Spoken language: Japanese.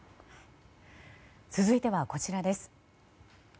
続いては、こちらです。